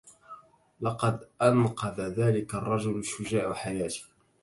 لقد أنقذ ذاك الرجل الشجاع حياتي.